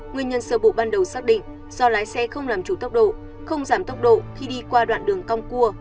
nguyên nhân sơ bộ ban đầu xác định do lái xe không làm chủ tốc độ không giảm tốc độ khi đi qua đoạn đường cong cua